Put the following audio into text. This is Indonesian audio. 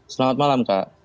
selamat malam kak